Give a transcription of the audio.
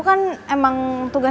kamu mau ber gurau